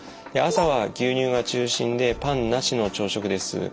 朝は牛乳が中心でパンなしの朝食です。